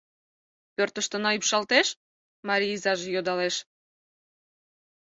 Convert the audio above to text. Пӧртыштына ӱпшалтеш?» Мари изаже йодалеш.